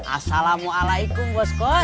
assalamualaikum bos kos